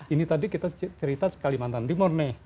ini tadi kita cerita kalimantan timor